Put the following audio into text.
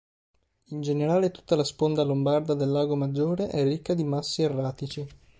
In generale, tutta la sponda lombarda del Lago Maggiore è ricca di massi erratici.